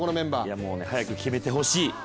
もう早く決めてほしい。